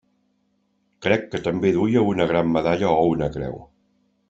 Crec que també duia una gran medalla o una creu.